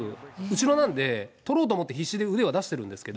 後ろなんで、捕ろうと思って必死で腕を出してるんですけど。